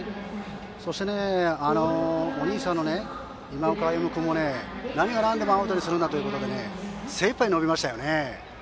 そして、お兄さんの今岡歩夢君も何がなんでもアウトにするんだということで精いっぱい、伸びましたよね。